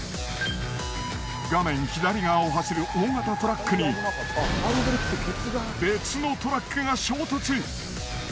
画面左側を走る大型トラックに別のトラックが衝突。